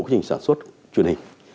quy trình sản xuất truyền hình